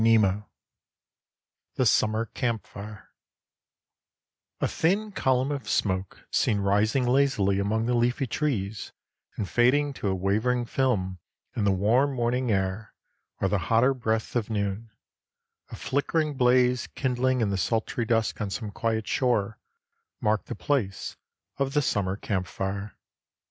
XXVII THE SUMMER CAMP FIRE A thin column of smoke seen rising lazily among the leafy trees and fading to a wavering film in the warm morning air or the hotter breath of noon, a flickering blaze kindling in the sultry dusk on some quiet shore, mark the place of the summer camp fire.